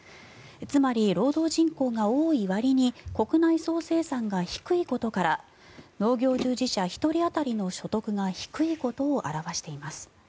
つまり、労働人口が多いわりに国内総生産が低いことから農業従事者１人当たりの所得が低いことを表しています。